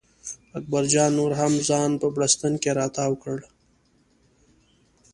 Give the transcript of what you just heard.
اکبر جان نور هم ځان په بړسټن کې را تاو کړ.